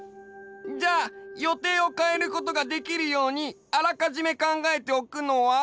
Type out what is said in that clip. じゃあ予定をかえることができるようにあらかじめ考えておくのは？